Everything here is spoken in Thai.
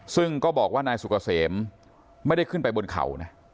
ซึ่งก็บอกว่านายสุกเกษมไม่ได้ขึ้นไปบนเขานะ